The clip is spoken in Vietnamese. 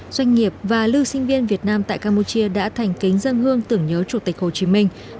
doanh nghiệp và lưu sinh viên việt nam tại campuchia đã thành kính dân hương tưởng nhớ chủ tịch hồ chí minh